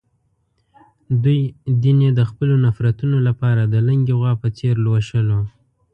دوی دین یې د خپلو نفرتونو لپاره د لُنګې غوا په څېر لوشلو.